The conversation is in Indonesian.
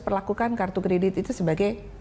perlakukan kartu kredit itu sebagai